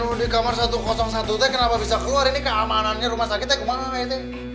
sustar itu pasien di kamar satu ratus satu teh kenapa bisa keluar ini keamanannya rumah sakit teh kemana ya teh